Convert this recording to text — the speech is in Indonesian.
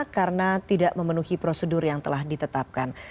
karena tidak memenuhi prosedur yang telah ditetapkan